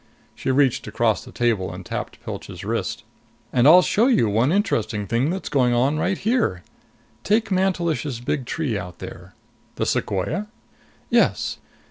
She reached across the table and tapped Pilch's wrist. "And I'll show you one interesting thing that's going on right here! Take Mantelish's big tree out there!" "The sequoia?" "Yes.